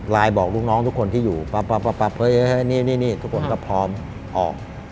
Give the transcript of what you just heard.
บอกลูกน้องทุกคนที่อยู่ปั๊บนี่ทุกคนก็พร้อมออก